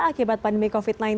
akibat pandemi covid sembilan belas